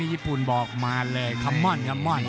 ญี่ปุ่นบอกมาเลย